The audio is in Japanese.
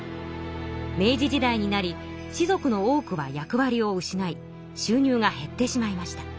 明治時代になり士族の多くは役わりを失い収入が減ってしまいました。